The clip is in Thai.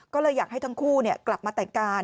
ก็เลยอยากให้ทั้งคู่กลับมาแต่งกาย